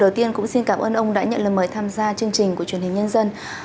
lời đầu tiên cũng xin cảm ơn ông đã nhận lời mời tham gia chương trình của truyền hình nhân dân